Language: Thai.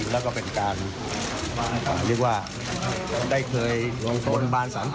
และเป็นการได้เคยบลบานสรรค์